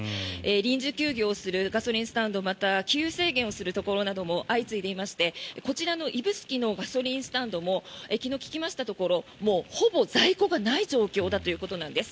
臨時休業をするガソリンスタンドまた、給油制限をするところも相次いでいまして、こちらの指宿のガソリンスタンドも昨日、聞きましたところほぼ在庫がない状況だということなんです。